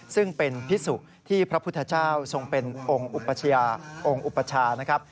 ซึ่งเป็นพิสุทธิ์ที่พระพุทธเจ้าทรงเป็นองค์อุปชา